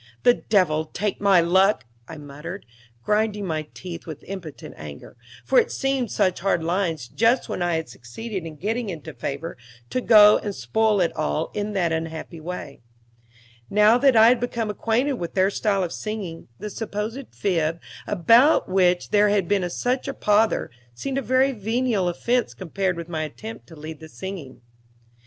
"The devil take my luck!" I muttered, grinding my teeth with impotent anger; for it seemed such hard lines, just when I had succeeded in getting into favor, to go and spoil it all in that unhappy way. Now that I had become acquainted with their style of singing, the supposed fib, about which there had been such a pother, seemed a very venial offense compared with my attempt to lead the singing.